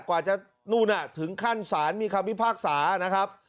กว่าจะนู่นถึงขั้นศาลมีความวิภาคศานะครับ